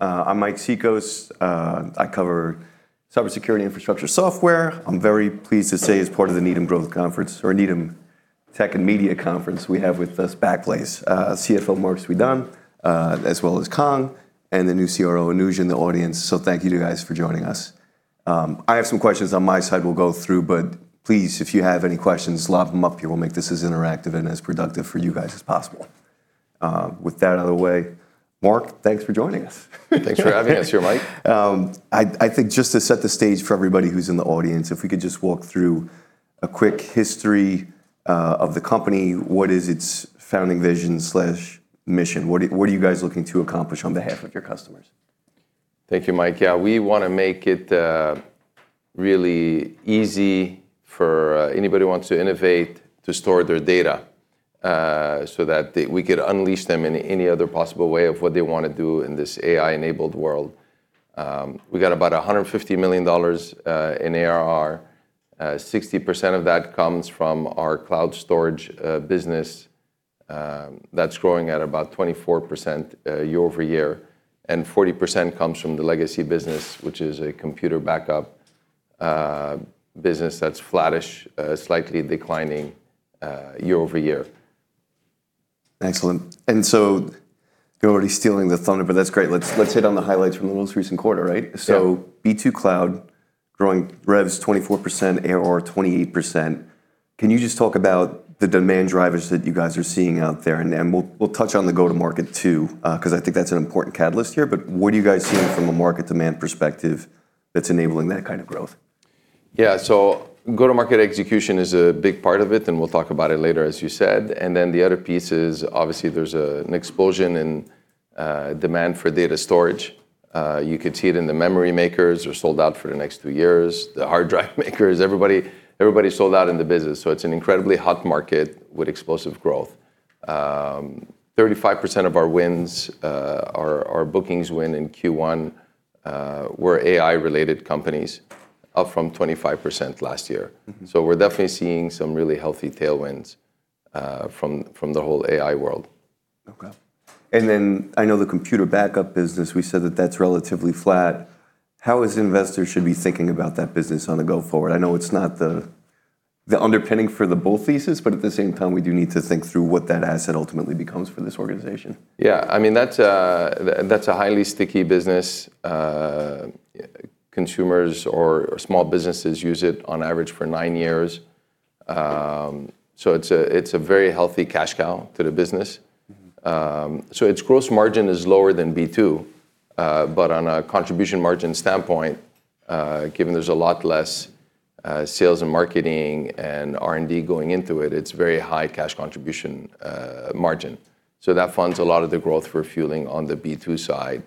I'm Mike Cikos. I cover cybersecurity infrastructure software. I'm very pleased to say as part of the Needham Growth Conference or Needham Technology, Media, & Consumer Conference, we have with us Backblaze CFO Marc Suidan, as well as Frank and the new CRO Anuj in the audience. Thank you to you guys for joining us. I have some questions on my side we'll go through, but please, if you have any questions, lob them up here. We'll make this as interactive and as productive for you guys as possible. With that out of the way, Marc, thanks for joining us. Thanks for having us here, Mike. I think just to set the stage for everybody who's in the audience, if we could just walk through a quick history of the company. What is its founding vision/mission? What are you guys looking to accomplish on behalf of your customers? Thank you, Mike. We wanna make it really easy for anybody who wants to innovate to store their data so that we could unleash them in any other possible way of what they wanna do in this AI-enabled world. We got about $150 million in ARR. 60% of that comes from our cloud storage business that's growing at about 24% year-over-year, and 40% comes from the legacy business, which is a computer backup business that's flattish, slightly declining year-over-year. Excellent. You're already stealing the thunder. That's great. Let's hit on the highlights from the most recent quarter, right? Yeah. B2 Cloud growing revs 24%, ARR 28%. Can you just talk about the demand drivers that you guys are seeing out there? We'll touch on the go-to-market too, 'cause I think that's an important catalyst here. What are you guys seeing from a market demand perspective that's enabling that kind of growth? Yeah. Go-to-market execution is a big part of it, and we'll talk about it later, as you said. The other piece is obviously there's an explosion in demand for data storage. You could see it in the memory makers are sold out for the next two years. The hard drive makers, everybody's sold out in the business. It's an incredibly hot market with explosive growth. 35% of our wins, our bookings win in Q1, were AI-related companies, up from 25% last year. We're definitely seeing some really healthy tailwinds, from the whole AI world. Okay. I know the computer backup business, we said that that's relatively flat. How is investors should be thinking about that business on the go forward? I know it's not the underpinning for the bull thesis, at the same time, we do need to think through what that asset ultimately becomes for this organization. I mean, that's a highly sticky business. Consumers or small businesses use it on average for 9 years. It's a very healthy cash cow to the business. Its gross margin is lower than B2, but on a contribution margin standpoint, given there's a lot less sales and marketing and R&D going into it's very high cash contribution margin. That funds a lot of the growth we're fueling on the B2 side,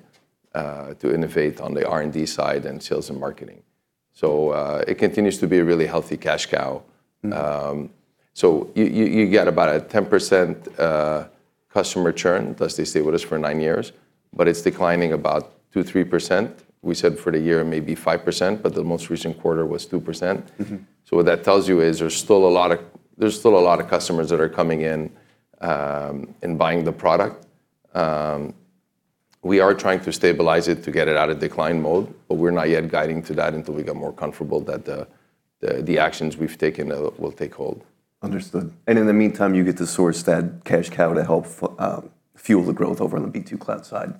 to innovate on the R&D side and sales and marketing. It continues to be a really healthy cash cow. You get about a 10% customer churn plus they stay with us for 9 years, but it's declining about 2%-3%. We said for the year, maybe 5%, but the most recent quarter was 2%. What that tells you is there's still a lot of customers that are coming in and buying the product. We are trying to stabilize it to get it out of decline mode, but we're not yet guiding to that until we get more comfortable that the actions we've taken will take hold. Understood. In the meantime, you get to source that cash cow to help fuel the growth over on the B2 Cloud side.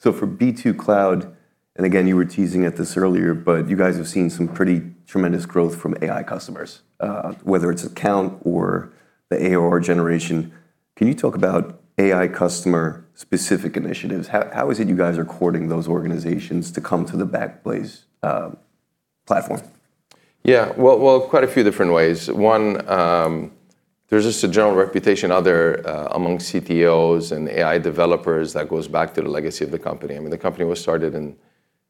For B2 Cloud, and again, you were teasing at this earlier, but you guys have seen some pretty tremendous growth from AI customers, whether it's account or the ARR generation. Can you talk about AI customer specific initiatives? How is it you guys are courting those organizations to come to the Backblaze platform? Well, quite a few different ways. One, there's just a general reputation out there among CTOs and AI developers that goes back to the legacy of the company. I mean, the company was started in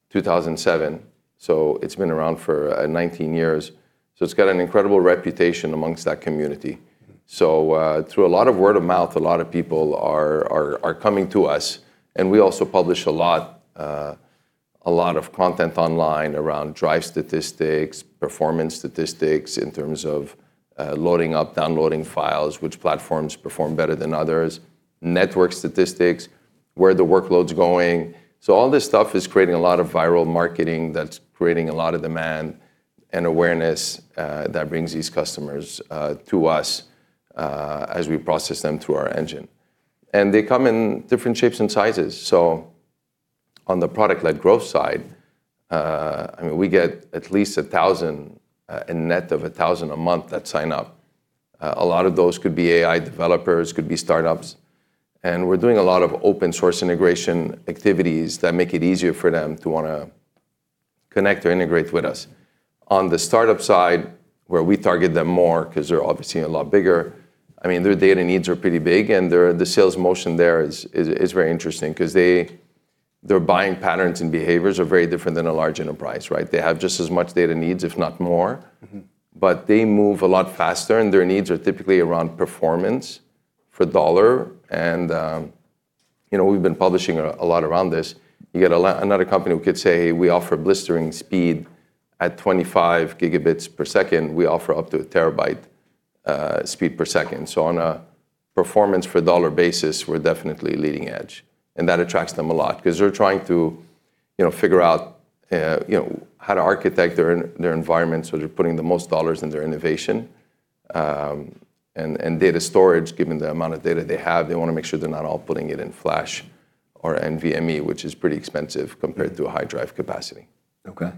2007, it's been around for 19 years. It's got an incredible reputation amongst that community. Through a lot of word of mouth, a lot of people are coming to us, and we also publish a lot of content online around drive statistics, performance statistics in terms of loading up, downloading files, which platforms perform better than others, network statistics, where the workload's going. All this stuff is creating a lot of viral marketing that's creating a lot of demand and awareness that brings these customers to us as we process them through our engine. They come in different shapes and sizes. On the product-led growth side, I mean, we get at least 1,000 net of 1,000 a month that sign up. A lot of those could be AI developers, could be startups. We're doing a lot of open source integration activities that make it easier for them to wanna connect or integrate with us. On the startup side, where we target them more 'cause they're obviously a lot bigger, I mean, their data needs are pretty big, and the sales motion there is very interesting 'cause their buying patterns and behaviors are very different than a large enterprise, right? They have just as much data needs, if not more. They move a lot faster, and their needs are typically around performance for dollar. You know, we've been publishing a lot around this. You got another company who could say, we offer blistering speed at 25 Gbps. We offer up to 1 Tbps. On Performance for dollar basis, we're definitely leading edge, and that attracts them a lot 'cause they're trying to, you know, figure out, you know, how to architect their environment so they're putting the most dollars in their innovation. Data storage, given the amount of data they have, they wanna make sure they're not all putting it in flash or NVMe, which is pretty expensive compared to a hard drive capacity. Okay.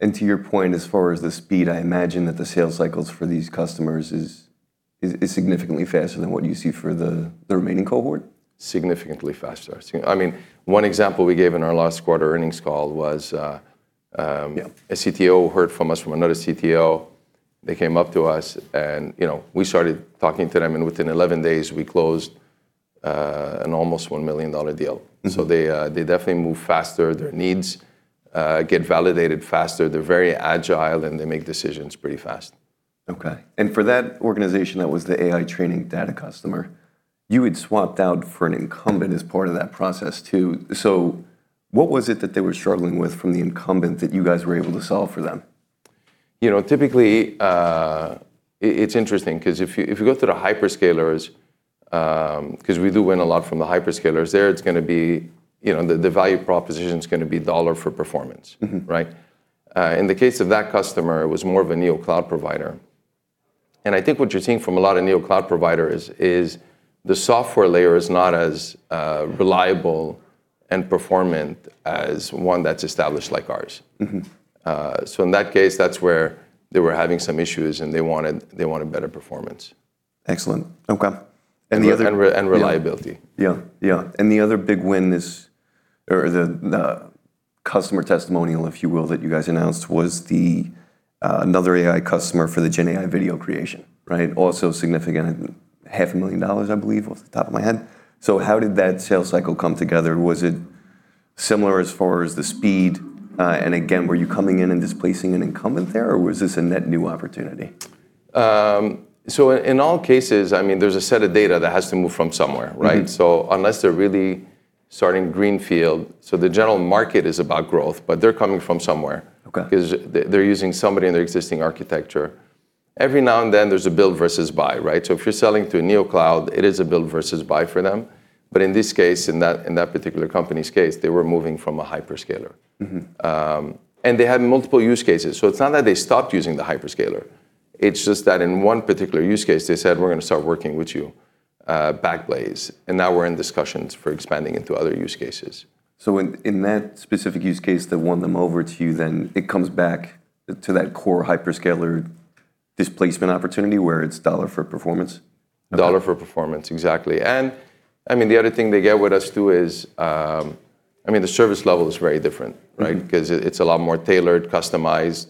To your point, as far as the speed, I imagine that the sales cycles for these customers is significantly faster than what you see for the remaining cohort? Significantly faster. I mean, one example we gave in our last quarter earnings call was. Yeah A CTO heard from us from another CTO. They came up to us and, you know, we started talking to them, and within 11 days we closed an almost $1 million deal. They definitely move faster. Their needs get validated faster. They're very agile, and they make decisions pretty fast. Okay. For that organization, that was the AI training data customer, you had swapped out for an incumbent as part of that process, too. What was it that they were struggling with from the incumbent that you guys were able to solve for them? You know, typically, it's interesting 'cause if you go through the hyperscalers, 'cause we do win a lot from the hyperscalers. There it's gonna be, you know, the value proposition's gonna be dollar for performance. Right? In the case of that customer, it was more of a neocloud provider. I think what you're seeing from a lot of neocloud providers is the software layer is not as reliable and performant as one that's established like ours. In that case, that's where they were having some issues, and they wanted better performance. Excellent. Okay. the other Reliability. Yeah, yeah. The other big win, or the customer testimonial, if you will, that you guys announced was another AI customer for the GenAI video creation, right? Also significant. Half a million dollars, I believe, off the top of my head. How did that sales cycle come together? Was it similar as far as the speed? Again, were you coming in and displacing an incumbent there, or was this a net new opportunity? In, in all cases, I mean, there's a set of data that has to move from somewhere, right? Unless they're really starting greenfield, the general market is about growth, but they're coming from somewhere. Okay. 'Cause they're using somebody in their existing architecture. Every now and then there's a build versus buy, right? If you're selling to a neocloud, it is a build versus buy for them. In this case, in that particular company's case, they were moving from a hyperscaler. They had multiple use cases, so it's not that they stopped using the hyperscaler. It's just that in one particular use case they said, "We're gonna start working with you, Backblaze." Now we're in discussions for expanding into other use cases. In that specific use case that won them over to you, it comes back to that core hyperscaler displacement opportunity where it's dollar for performance? Dollar for performance, exactly. I mean, the other thing they get with us, too, is, I mean, the service level is very different, right? It's a lot more tailored, customized.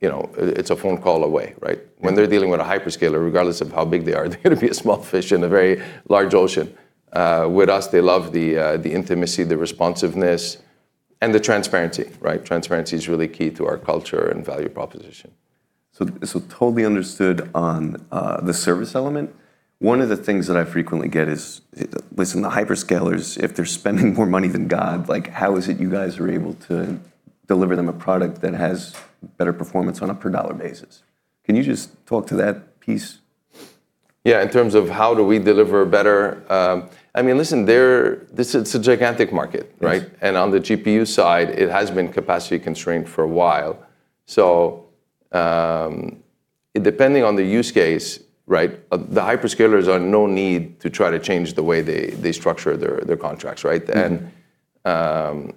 You know, it's a phone call away, right? Yeah. When they're dealing with a hyperscaler, regardless of how big they are, they're gonna be a small fish in a very large ocean. With us they love the intimacy, the responsiveness, and the transparency, right? Transparency is really key to our culture and value proposition. Totally understood on the service element. One of the things that I frequently get is, listen, the hyperscalers, if they're spending more money than God, like, how is it you guys are able to deliver them a product that has better performance on a per dollar basis? Can you just talk to that piece? Yeah, in terms of how do we deliver better, I mean, listen, it's a gigantic market, right? Yes. On the GPU side it has been capacity constrained for a while. Depending on the use case, right, the hyperscalers are no need to try to change the way they structure their contracts, right? If you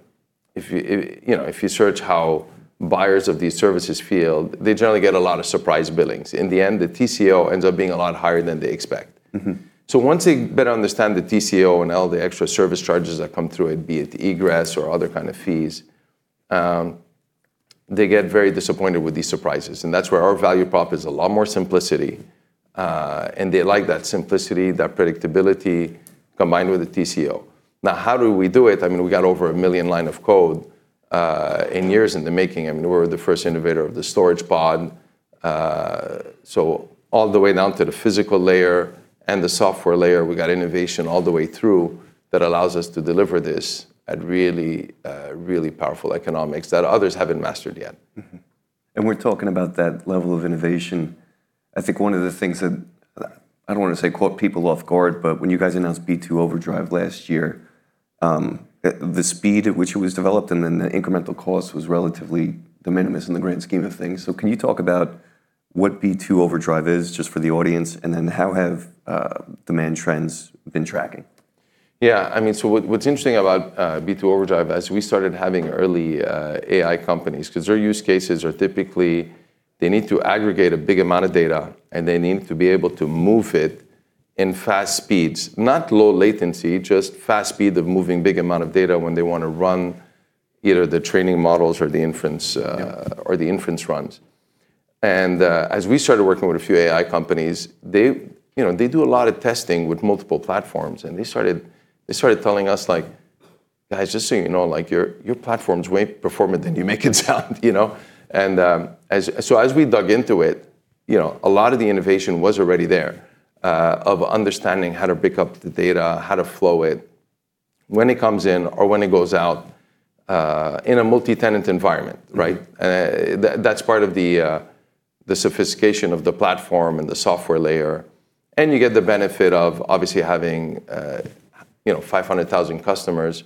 know, if you search how buyers of these services feel, they generally get a lot of surprise billings. In the end, the TCO ends up being a lot higher than they expect. Once they better understand the TCO and all the extra service charges that come through it, be it egress or other kind of fees, they get very disappointed with these surprises, and that's where our value prop is a lot more simplicity. And they like that simplicity, that predictability, combined with the TCO. How do we do it? I mean, we got over 1 million lines of code and years in the making. I mean, we're the first innovator of the Storage Pod. All the way down to the physical layer and the software layer, we got innovation all the way through that allows us to deliver this at really powerful economics that others haven't mastered yet. We're talking about that level of innovation. I think one of the things that I don't wanna say caught people off guard, but when you guys announced B2 Overdrive last year, the speed at which it was developed and then the incremental cost was relatively de minimis in the grand scheme of things. Can you talk about what B2 Overdrive is, just for the audience, and then how have demand trends been tracking? Yeah. I mean, what's interesting about B2 Overdrive, as we started having early AI companies, 'cause their use cases are typically they need to aggregate a big amount of data, and they need to be able to move it in fast speeds. Not low latency, just fast speed of moving big amount of data when they wanna run either the training models or the inference. Yeah Or the inference runs. As we started working with a few AI companies, they, you know, they do a lot of testing with multiple platforms, and they started telling us, like, "Guys, just so you know, like, your platform's way performant than you make it sound, you know?" As we dug into it, you know, a lot of the innovation was already there, of understanding how to pick up the data, how to flow it when it comes in or when it goes out, in a multi-tenant environment, right? That's part of the sophistication of the platform and the software layer. You get the benefit of obviously having, you know, 500,000 customers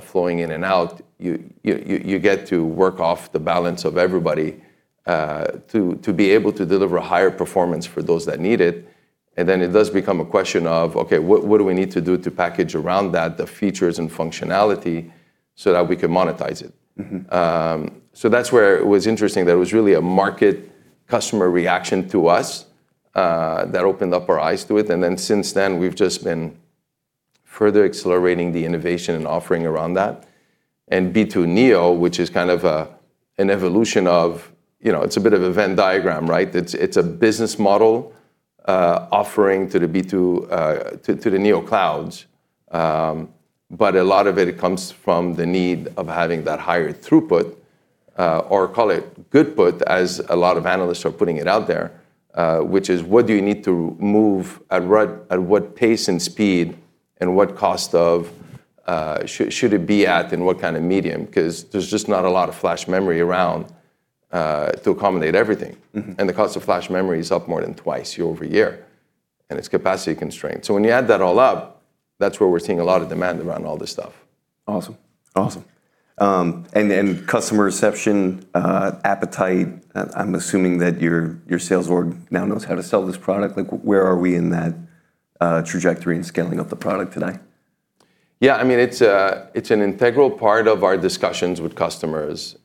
flowing in and out. You get to work off the balance of everybody to be able to deliver a higher performance for those that need it. It does become a question of, okay, what do we need to do to package around that, the features and functionality, so that we can monetize it? That's where it was interesting, that it was really a market customer reaction to us, that opened up our eyes to it. Since then, we've just been further accelerating the innovation and offering around that. B2 Neo, which is kind of a, an evolution of, you know, it's a bit of a Venn diagram, right? It's a business model offering to the B2 to the neoclouds. A lot of it comes from the need of having that higher throughput, or call it goodput, as a lot of analysts are putting it out there, which is what do you need to move, at what, at what pace and speed and what cost of it be at and what kind of medium? There's just not a lot of flash memory around, to accommodate everything. The cost of flash memory is up more than 2x year-over-year, and it's capacity constrained. When you add that all up, that's where we're seeing a lot of demand around all this stuff. Awesome. Awesome. And customer reception, appetite, I'm assuming that your sales org now knows how to sell this product. Like, where are we in that trajectory and scaling of the product today? Yeah, I mean, it's an integral part of our discussions with customers.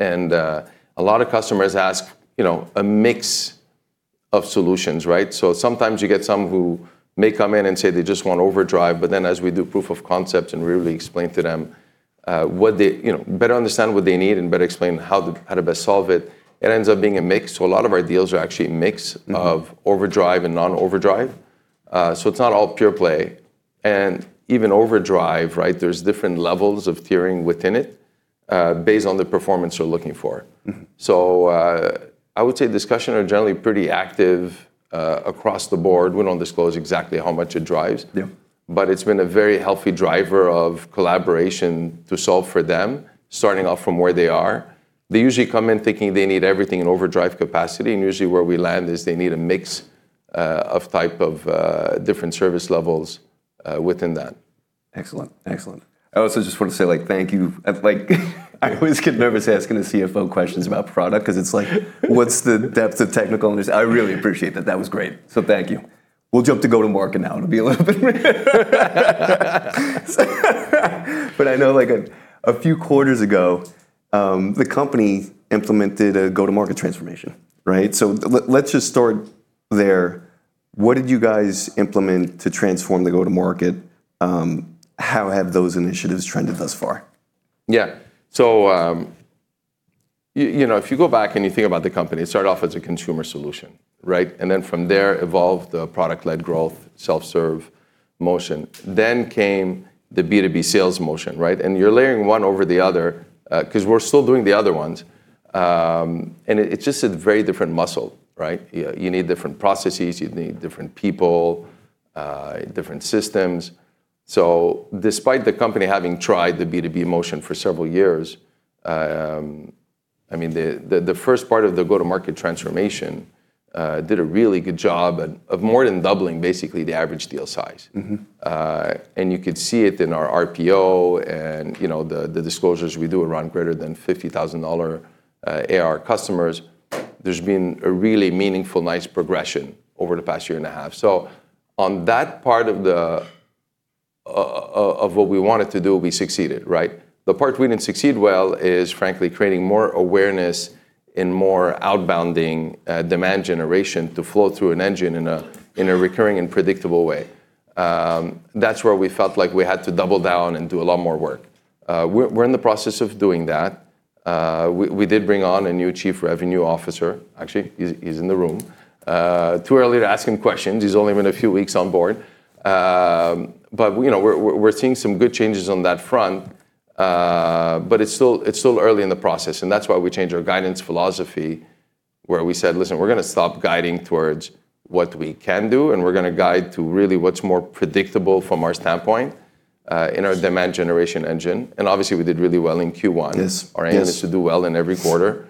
A lot of customers ask, you know, a mix of solutions, right? Sometimes you get some who may come in and say they just want Overdrive, but then as we do proof of concept and really explain to them, what they, you know, better understand what they need and better explain how to best solve it ends up being a mix. A lot of our deals are actually a mix of Overdrive and non-Overdrive. It's not all pure play. Even Overdrive, right, there's different levels of tiering within it, based on the performance you're looking for. I would say discussions are generally pretty active across the board. We don't disclose exactly how much it drives. Yeah. It's been a very healthy driver of collaboration to solve for them, starting off from where they are. They usually come in thinking they need everything in Overdrive capacity, and usually where we land is they need a mix of type of different service levels within that. Excellent. Excellent. I also just want to say, like, thank you. Like I always get nervous asking a CFO questions about product because it's like, what's the depth of technical knowledge. I really appreciate that. That was great. Thank you. We'll jump to go-to-market now. It'll be a little bit. I know, like, a few quarters ago, the company implemented a go-to-market transformation, right? Let's just start there. What did you guys implement to transform the go-to-market? How have those initiatives trended thus far? Yeah. You know, if you go back and you think about the company, it started off as a consumer solution, right? Then from there evolved the product-led growth, self-serve motion. Came the B2B sales motion, right? You're layering one over the other, 'cause we're still doing the other ones. It's just a very different muscle, right? You need different processes, you need different people, different systems. Despite the company having tried the B2B motion for several years, I mean, the first part of the go-to-market transformation did a really good job at, of more than doubling basically the average deal size. You could see it in our RPO and, you know, the disclosures we do around greater than $50,000 AR customers. There's been a really meaningful, nice progression over the past year and a half. On that part of the of what we wanted to do, we succeeded, right. The part we didn't succeed well is frankly creating more awareness and more outbounding demand generation to flow through an engine in a, in a recurring and predictable way. That's where we felt like we had to double down and do a lot more work. We're in the process of doing that. We did bring on a new Chief Revenue Officer. Actually, he's in the room. Too early to ask him questions. He's only been a few weeks on board. you know, we're seeing some good changes on that front. It's still, it's still early in the process, and that's why we changed our guidance philosophy, where we said, "Listen, we're gonna stop guiding towards what we can do, and we're gonna guide to really what's more predictable from our standpoint, in our demand generation engine." Obviously, we did really well in Q1. Yes. Yes. Our aim is to do well in every quarter.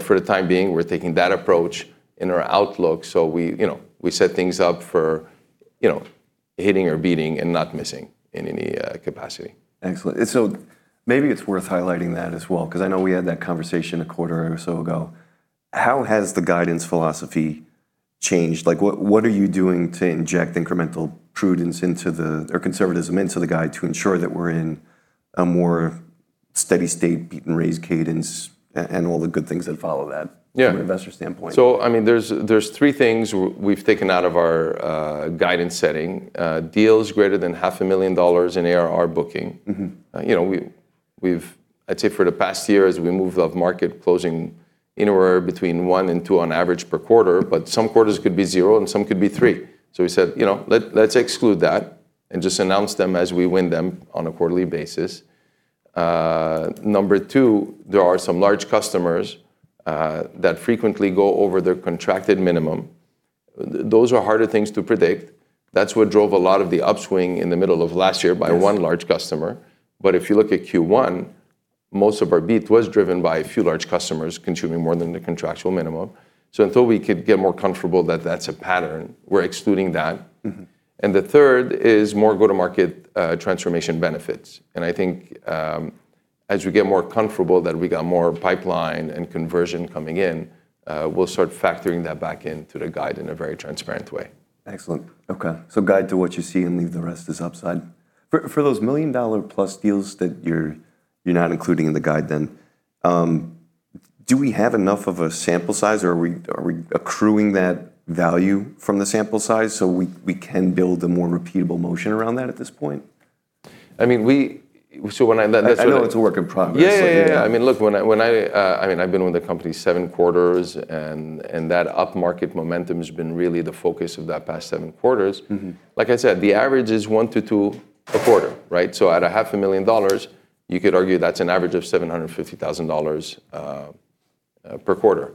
For the time being, we're taking that approach in our outlook, so we, you know, we set things up for, you know, hitting or beating and not missing in any capacity. Excellent. Maybe it's worth highlighting that as well, 'cause I know we had that conversation a quarter or so ago. How has the guidance philosophy changed? Like, what are you doing to inject incremental prudence into the, or conservatism into the guide to ensure that we're in a more steady state, beat and raise cadence, and all the good things that follow that. Yeah From an investor standpoint? I mean, there's three things we've taken out of our guidance setting. Deals greater than half a million dollars in ARR booking. You know, we've, I'd say for the past year as we move upmarket closing anywhere between 1 and 2 on average per quarter, but some quarters could be 0, and some could be 3. We said, you know, let's exclude that and just announce them as we win them on a quarterly basis. Number 2, there are some large customers that frequently go over their contracted minimum. Those are harder things to predict. That's what drove a lot of the upswing in the middle of last year by- Yes one large customer. If you look at Q1, most of our beat was driven by a few large customers consuming more than the contractual minimum. Until we could get more comfortable that that's a pattern, we're excluding that. The third is more go-to-market transformation benefits. I think, as we get more comfortable that we got more pipeline and conversion coming in, we'll start factoring that back into the guide in a very transparent way. Excellent. Okay. Guide to what you see and leave the rest as upside. For those million-dollar-plus deals that you're not including in the guide then, do we have enough of a sample size or are we accruing that value from the sample size so we can build a more repeatable motion around that at this point? I mean. I know it's a work in progress. Yeah, yeah. I mean, look, when I mean, I've been with the company seven quarters. That upmarket momentum has been really the focus of that past seven quarters. Like I said, the average is 1 to 2 a quarter, right? At a half a million dollars, you could argue that's an average of $750,000 per quarter.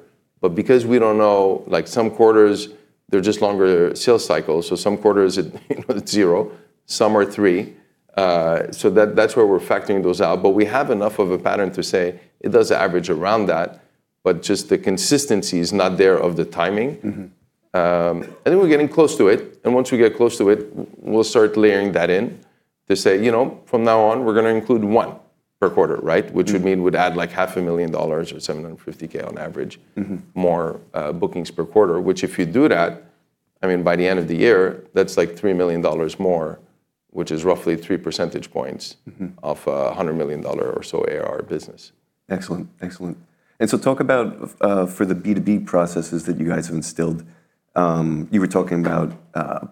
Because we don't know, like, some quarters, they're just longer sales cycles, so some quarters it, you know, it's 0, some are 3. That's where we're factoring those out. We have enough of a pattern to say it does average around that, but just the consistency is not there of the timing. I think we're getting close to it. Once we get close to it, we'll start layering that in to say, you know, from now on, we're gonna include one per quarter, right? Which would mean would add, like, half a million dollars or $750K on average. More, bookings per quarter. If you do that, I mean, by the end of the year, that's like $3 million more, which is roughly three percentage points of a $100 million or so ARR business. Excellent. Excellent. Talk about for the B2B processes that you guys have instilled, you were talking about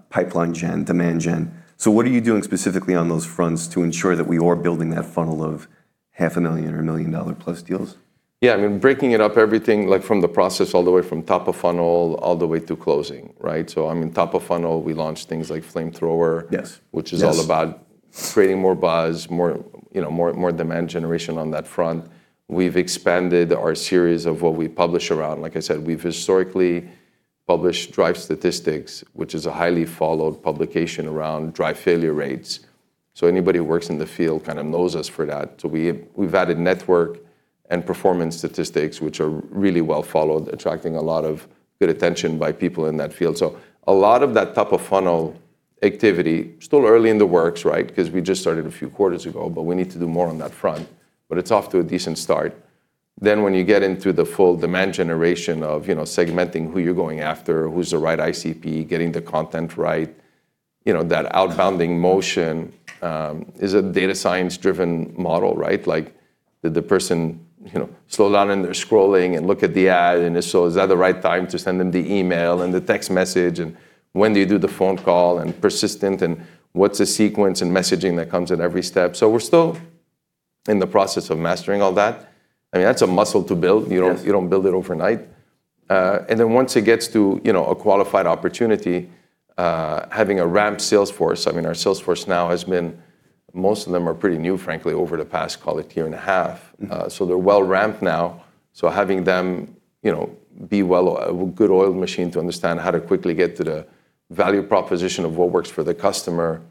pipeline gen, demand gen. What are you doing specifically on those fronts to ensure that we are building that funnel of half a million or million-dollar-plus deals? Yeah, I mean, breaking it up, everything, like, from the process all the way from top of funnel all the way to closing, right? I mean, top of funnel, we launched things like Flamethrower. Yes. Yes. Which is all about creating more buzz, more, you know, more demand generation on that front. We've expanded our series of what we publish around. Like I said, we've historically published drive statistics, which is a highly followed publication around drive failure rates. Anybody who works in the field kind of knows us for that. We've added network and performance statistics, which are really well followed, attracting a lot of good attention by people in that field. A lot of that top of funnel activity, still early in the works, right? 'Cause we just started a few quarters ago, but we need to do more on that front, but it's off to a decent start. When you get into the full demand generation of, you know, segmenting who you're going after, who's the right ICP, getting the content right, you know, that outbounding motion is a data science driven model, right? Like, did the person, you know, slow down and they're scrolling and look at the ad, and if so, is that the right time to send them the email and the text message? When do you do the phone call and persistent, and what's the sequence in messaging that comes at every step? We're still in the process of mastering all that. I mean, that's a muscle to build. You don't. Yes You don't build it overnight. Once it gets to, you know, a qualified opportunity, having a ramp sales force, I mean, our sales force now has been Most of them are pretty new, frankly, over the past, call it year and a half. They're well ramped now, so having them, you know, be a good oiled machine to understand how to quickly get to the value proposition of what works for the customer,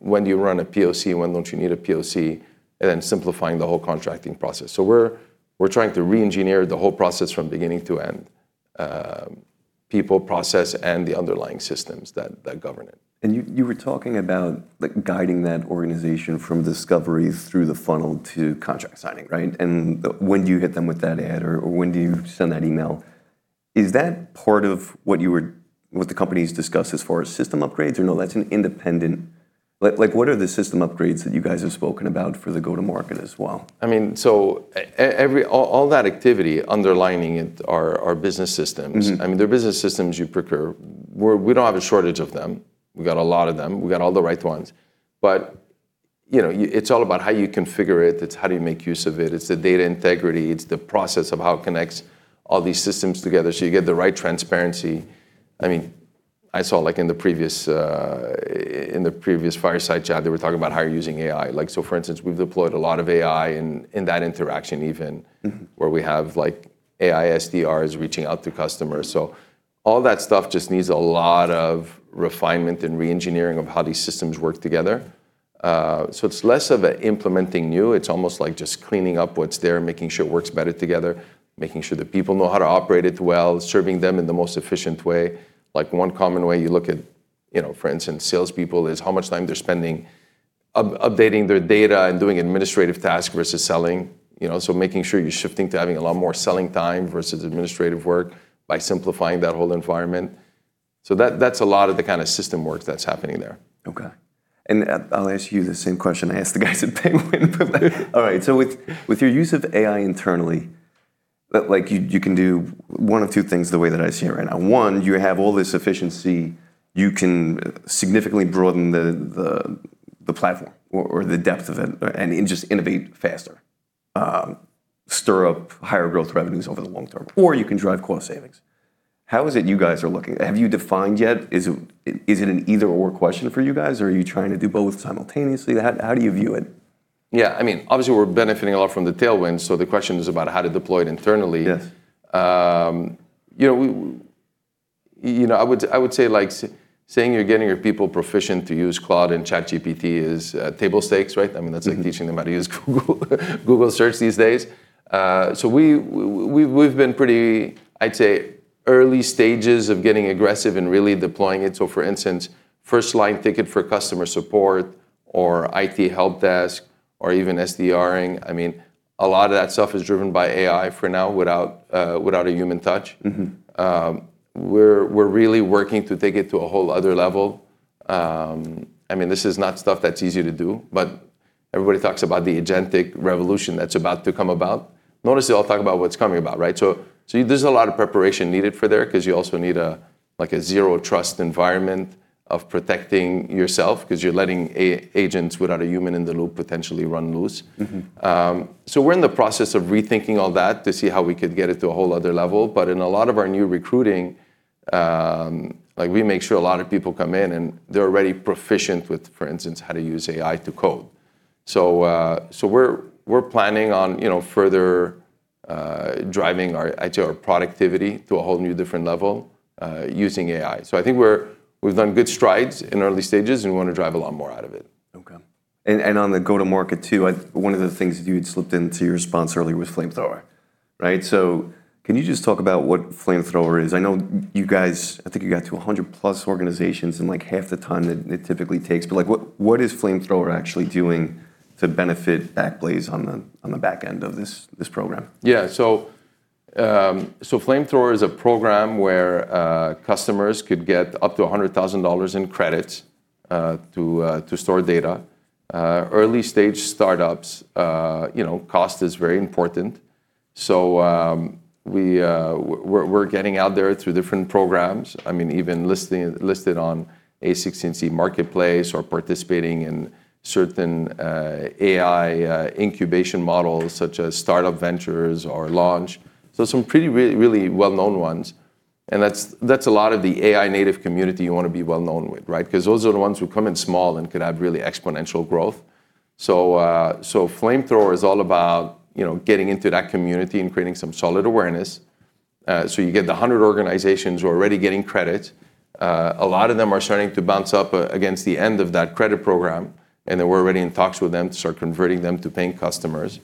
when do you run a POC, when don't you need a POC, and then simplifying the whole contracting process. We're trying to re-engineer the whole process from beginning to end. People, process, and the underlying systems that govern it. You were talking about, like, guiding that organization from discovery through the funnel to contract signing, right? When do you hit them with that ad or when do you send that email? Is that part of what the company's discussed as far as system upgrades, or no, that's an independent? Like, what are the system upgrades that you guys have spoken about for the go-to-market as well? I mean, every all that activity underlining it are business systems. I mean, they're business systems you procure. We don't have a shortage of them. We've got a lot of them. We got all the right ones. You know, it's all about how you configure it. It's how do you make use of it. It's the data integrity. It's the process of how it connects all these systems together so you get the right transparency. I mean, I saw, like, in the previous Fireside Chat, they were talking about how you're using AI. For instance, we've deployed a lot of AI in that interaction where we have, like, AI SDRs reaching out to customers. All that stuff just needs a lot of refinement and re-engineering of how these systems work together. It's less of a implementing new. It's almost like just cleaning up what's there, making sure it works better together, making sure the people know how to operate it well, serving them in the most efficient way. Like one common way you look at, you know, for instance, salespeople is how much time they're spending updating their data and doing administrative tasks versus selling. You know? Making sure you're shifting to having a lot more selling time versus administrative work by simplifying that whole environment. That, that's a lot of the kind of system work that's happening there. Okay. I'll ask you the same question I asked the guys at Penguin. With your use of AI internally, like, you can do one of two things the way that I see it right now. One, you have all this efficiency. You can significantly broaden the platform or the depth of it and just innovate faster. Stir up higher growth revenues over the long term. You can drive cost savings. How is it you guys are looking? Have you defined yet, is it an either or question for you guys or are you trying to do both simultaneously? How do you view it? Yeah, I mean, obviously we're benefiting a lot from the tailwind. The question is about how to deploy it internally. Yes. You know, we, you know, I would say, like, saying you're getting your people proficient to use Cloud and ChatGPT is table stakes, right? Teaching them how to use Google Search these days. We've been pretty, I'd say, early stages of getting aggressive and really deploying it. For instance, first line ticket for customer support or IT helpdesk or even SDR-ing, I mean, a lot of that stuff is driven by AI for now without a human touch. We're really working to take it to a whole other level. I mean, this is not stuff that's easy to do, everybody talks about the agentic revolution that's about to come about. Notice they all talk about what's coming about, right? There's a lot of preparation needed for there 'cause you also need a, like, a zero trust environment of protecting yourself 'cause you're letting agents without a human in the loop potentially run loose. We're in the process of rethinking all that to see how we could get it to a whole other level. In a lot of our new recruiting, like, we make sure a lot of people come in and they're already proficient with, for instance, how to use AI to code. We're planning on, you know, further driving our, I'd say our productivity to a whole new different level, using AI. I think we're, we've done good strides in early stages and we want to drive a lot more out of it. On the go-to-market too, one of the things you had slipped into your response earlier was Flamethrower, right? Can you just talk about what Flamethrower is? I know you guys, I think you got to 100+ organizations in, like, half the time it typically takes. Like, what is Flamethrower actually doing to benefit Backblaze on the back end of this program? Flamethrower is a program where customers could get up to $100,000 in credits to store data. Early stage startups, you know, cost is very important, we're getting out there through different programs. I mean, even listing, listed on a16z Marketplace or participating in certain AI incubation models such as Startup Ventures or Launch. Some pretty, really well-known ones, and that's a lot of the AI native community you want to be well known with, right? Because those are the ones who come in small and could have really exponential growth. Flamethrower is all about, you know, getting into that community and creating some solid awareness. You get the 100 organizations who are already getting credit. A lot of them are starting to bounce up against the end of that credit program, and then we're already in talks with them to start converting them to paying customers.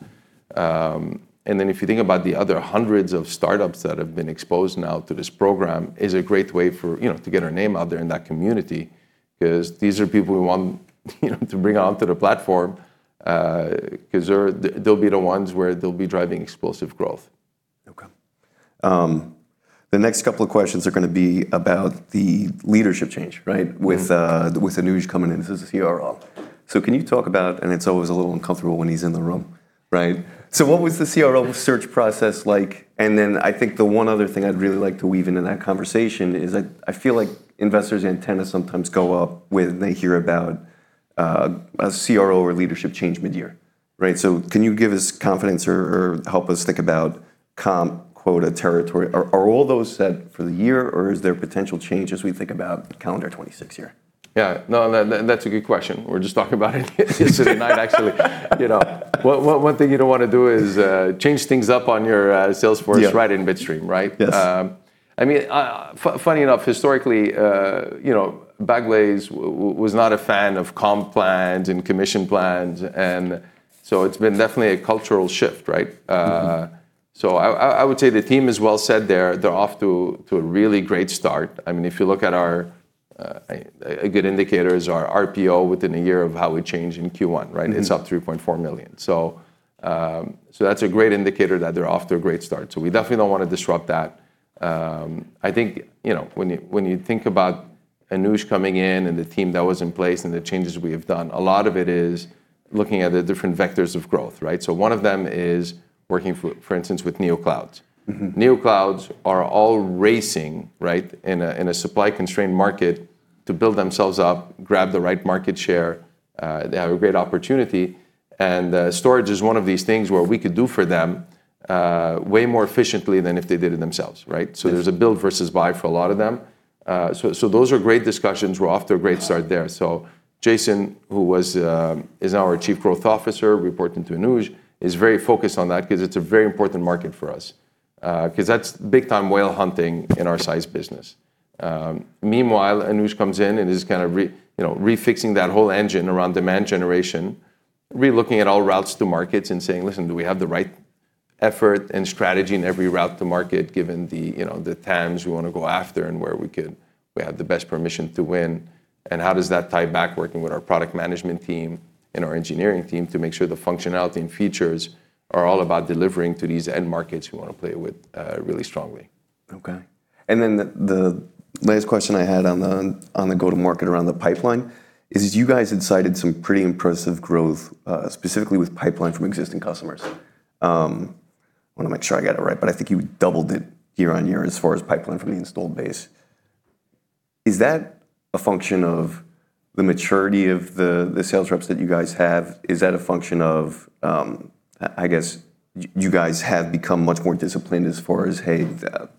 If you think about the other hundreds of startups that have been exposed now to this program, is a great way for, you know, to get our name out there in that community 'cause these are people we want, you know, to bring onto the platform, 'cause they're, they'll be the ones where they'll be driving explosive growth. The next couple of questions are gonna be about the leadership change, right? With, with Anuj coming in as the CRO. Can you talk about, and it's always a little uncomfortable when he's in the room, right? What was the CRO search process like? I think the one other thing I'd really like to weave into that conversation is, like, I feel like investors' antennas sometimes go up when they hear about, a CRO or leadership change midyear, right? Can you give us confidence or help us think about comp, quota, territory? Are all those set for the year or is there potential change as we think about calendar 2026 here? Yeah, no, that's a good question. We're just talking about it yesterday night actually. You know, one thing you don't wanna do is change things up on your Salesforce right in midstream, right? Yes. I mean, funny enough, historically, you know, Backblaze was not a fan of comp plans and commission plans, and so it's been definitely a cultural shift, right? I would say the team is well set there. They're off to a really great start. I mean, if you look at our, a good indicator is our RPO within a year of how we change in Q1, right? It's up $3.4 million. That's a great indicator that they're off to a great start, so we definitely don't wanna disrupt that. I think, you know, when you think about Anuj coming in and the team that was in place and the changes we have done, a lot of it is looking at the different vectors of growth, right? One of them is working for instance with neoclouds. Neoclouds are all racing, right, in a supply constrained market to build themselves up, grab the right market share. They have a great opportunity, and storage is one of these things where we could do for them way more efficiently than if they did it themselves, right? Yes. There's a build versus buy for a lot of them. Those are great discussions. We're off to a great start there. Jason, who was, is now our Chief Growth Officer reporting to Anuj, is very focused on that ’cause it's a very important market for us. ’Cause that's big time whale hunting in our size business. Meanwhile, Anuj comes in and is kind of, you know, refixing that whole engine around demand generation, re-looking at all routes to markets and saying, "Listen, do we have the right effort and strategy in every route to market given the, you know, the TAMs we wanna go after and where we could, we have the best permission to win? How does that tie back working with our product management team and our engineering team to make sure the functionality and features are all about delivering to these end markets we wanna play with, really strongly? Okay. The last question I had on the go-to-market around the pipeline is you guys had cited some pretty impressive growth specifically with pipeline from existing customers. I wanna make sure I got it right, but I think you doubled it year-over-year as far as pipeline from the installed base? Is that a function of the maturity of the sales reps that you guys have? Is that a function of, I guess you guys have become much more disciplined as far as, hey,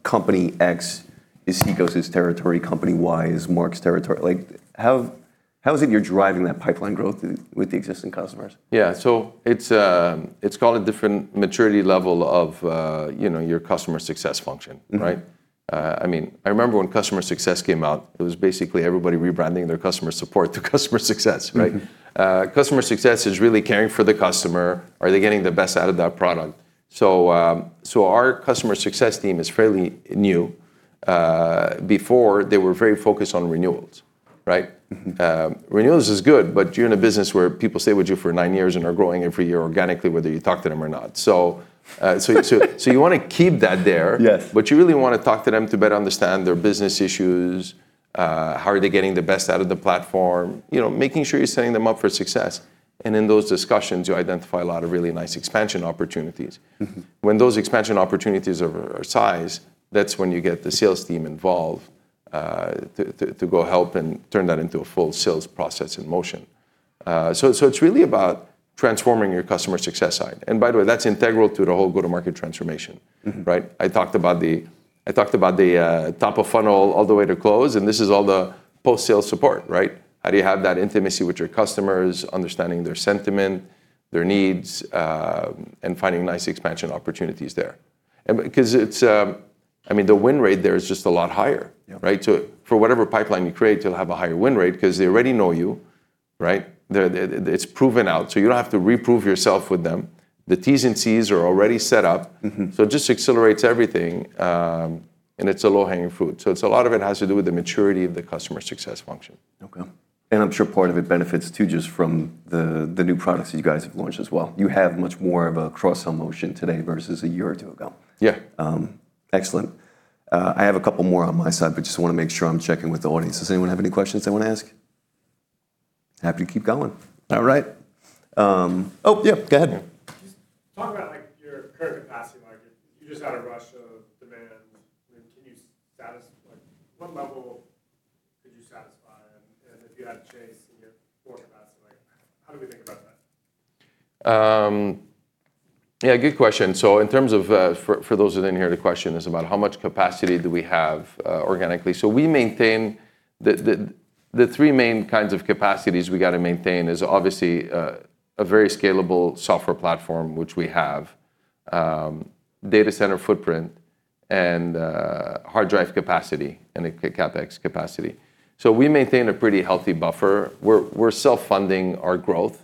Company X is Cikos' territory, Company Y is Marc's territory. How is it you're driving that pipeline growth with the existing customers? Yeah. It's, it's called a different maturity level of, you know, your customer success function. Right? I mean, I remember when customer success came out, it was basically everybody rebranding their customer support to customer success, right? Customer success is really caring for the customer. Are they getting the best out of that product? Our customer success team is fairly new. Before, they were very focused on renewals, right? Renewals is good, but you're in a business where people stay with you for nine years and are growing every year organically, whether you talk to them or not. You wanna keep that there. Yes. You really wanna talk to them to better understand their business issues, how are they getting the best out of the platform, you know, making sure you're setting them up for success. In those discussions, you identify a lot of really nice expansion opportunities. When those expansion opportunities are sized, that's when you get the sales team involved to go help and turn that into a full sales process in motion. It's really about transforming your customer success side. By the way, that's integral to the whole go-to-market transformation. Right? I talked about the top of funnel all the way to close, and this is all the post-sale support, right? How do you have that intimacy with your customers, understanding their sentiment, their needs, and finding nice expansion opportunities there. Because it's, I mean, the win rate there is just a lot higher. Right? For whatever pipeline you create, you'll have a higher win rate 'cause they already know you, right? It's proven out, so you don't have to reprove yourself with them. The T&Cs are already set up. It just accelerates everything, and it's a low-hanging fruit. It's a lot of it has to do with the maturity of the customer success function. I'm sure part of it benefits, too, just from the new products that you guys have launched as well. You have much more of a cross-sell motion today versus a year or two ago. Yeah. Excellent. I have a couple more on my side, but just wanna make sure I'm checking with the audience. Does anyone have any questions they wanna ask? Happy to keep going. All right. Oh, yeah, go ahead. Just talk about, like, your current capacity, like if you just had a rush of demand, I mean, can you satisfy what level could you satisfy? If you had to chase and get more capacity, how do we think about that? Yeah, good question. In terms of, for those that didn't hear the question, it's about how much capacity do we have organically. We maintain the three main kinds of capacities we gotta maintain is obviously a very scalable software platform, which we have, data center footprint, and hard drive capacity and a CapEx capacity. We maintain a pretty healthy buffer. We're self-funding our growth.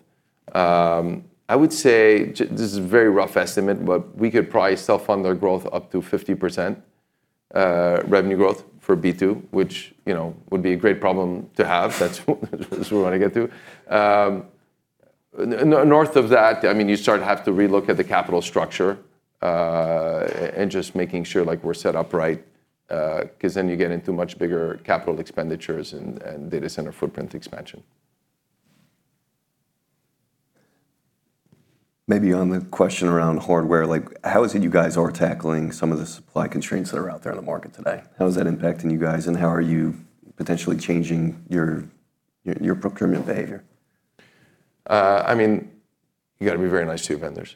I would say this is a very rough estimate, but we could probably self-fund our growth up to 50% revenue growth for B2, which, you know, would be a great problem to have. That's what we wanna get to. North of that, I mean, you start to have to relook at the capital structure, and just making sure, like, we're set up right, 'cause then you get into much bigger capital expenditures and data center footprint expansion. Maybe on the question around hardware, like, how is it you guys are tackling some of the supply constraints that are out there in the market today? How is that impacting you guys, and how are you potentially changing your, your procurement behavior? I mean, you gotta be very nice to your vendors.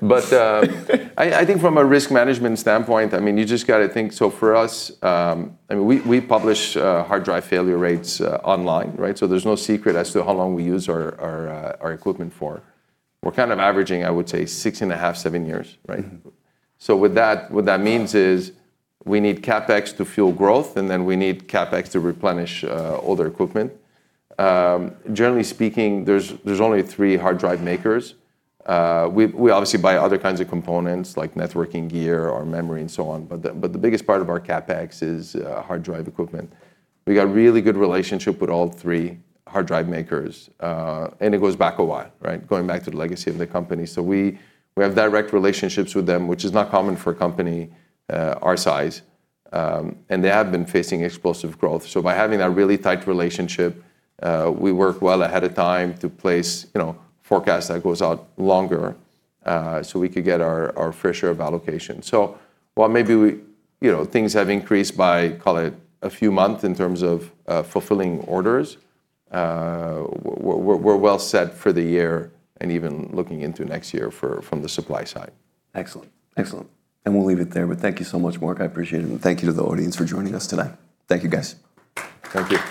I think from a risk management standpoint, I mean, you just gotta think. For us, I mean, we publish hard drive failure rates online, right? There's no secret as to how long we use our equipment for. We're kind of averaging, I would say, 6.5 years-7 years, right? With that, what that means is we need CapEx to fuel growth, and then we need CapEx to replenish older equipment. Generally speaking, there's only three hard drive makers. We obviously buy other kinds of components, like networking gear or memory and so on, but the biggest part of our CapEx is hard drive equipment. We got a really good relationship with all three hard drive makers, and it goes back a while, right? Going back to the legacy of the company. We have direct relationships with them, which is not common for a company our size. They have been facing explosive growth. By having that really tight relationship, we work well ahead of time to place, you know, forecast that goes out longer, so we could get our fair share of allocation. While maybe we, you know, things have increased by, call it, a few month in terms of fulfilling orders, we're well set for the year, and even looking into next year for, from the supply side. Excellent. Excellent. We'll leave it there. Thank you so much, Marc. I appreciate it, and thank you to the audience for joining us today. Thank you, guys. Thank you.